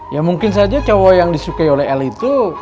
ya mungkin saja cowok yang disukai oleh el itu